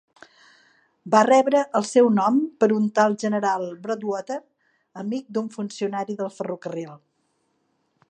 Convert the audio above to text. Va rebre el seu nom per un tal general Broadwater, amic d'un funcionari del ferrocarril.